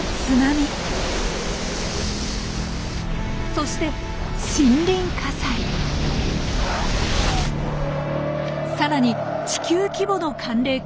そしてさらに地球規模の寒冷化